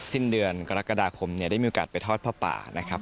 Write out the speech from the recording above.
สิ้นเดือนกรกฎาคมเนี่ยได้มีโอกาสไปทอดผ้าป่านะครับ